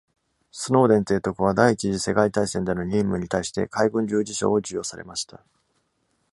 スノーデン提督は第一次世界大戦での任務に対して海軍十字章を授与されました。